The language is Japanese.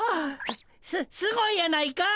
すすごいやないかい。